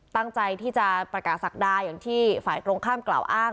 ตั้งใจที่จะประกาศศักดาอย่างที่ฝ่ายตรงข้ามกล่าวอ้าง